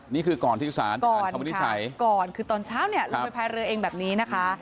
นี่คือก่อนที่ศาลก่อนคำวินิจฉัยก่อนคือตอนเช้าเนี่ยลงไปพายเรือเองแบบนี้นะคะ